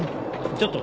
ちょっと。